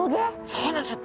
そうなんですよ